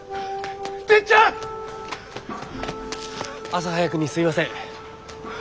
朝早くにすみません。